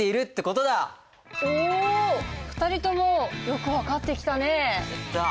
事はお２人ともよく分かってきたね。